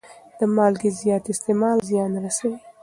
د مالګې زیات استعمال زیان رسوي.